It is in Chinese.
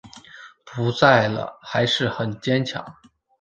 不在了还是很坚强